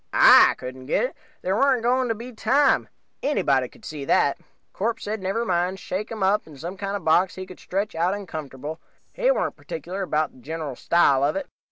I couldn't get it. There warn't going to be time anybody could see that. "Corpse said never mind, shake him up some kind of a box he could stretch out in comfortable, he warn't particular 'bout the general style of it.